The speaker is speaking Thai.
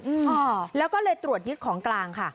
อืมอ่าแล้วก็เลยตรวจยึดของกลางค่ะ